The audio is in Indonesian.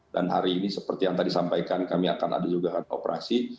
dan hari ini seperti yang tadi sampaikan kami akan ada juga operasi